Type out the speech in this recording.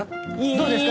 どうですか？